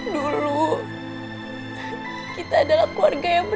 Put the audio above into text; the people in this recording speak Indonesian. dina mohon jangan serai sama papa ya ma